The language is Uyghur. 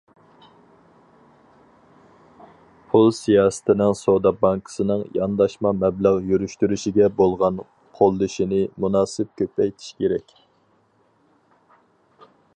پۇل سىياسىتىنىڭ سودا بانكىسىنىڭ يانداشما مەبلەغ يۈرۈشتۈرۈشىگە بولغان قوللىشىنى مۇناسىپ كۆپەيتىش كېرەك.